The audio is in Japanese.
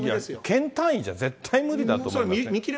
県単位じゃ絶対無理だと思いますね。